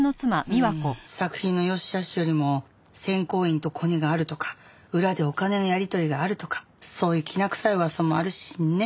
作品の良しあしよりも選考委員とコネがあるとか裏でお金のやり取りがあるとかそういうきな臭い噂もあるしねっ。